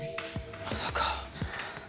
まさか。